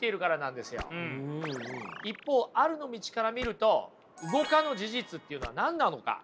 一方あるの道から見ると動かぬ事実っていうのは何なのか？